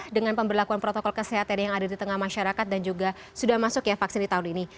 dengan pemberlakuan protokol kesehatan yang ada di tengah masyarakat dan juga sudah masuk ya vaksin di tahun ini